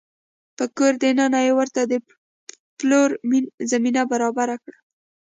په کور دننه يې ورته د پلور زمینه برابره کړې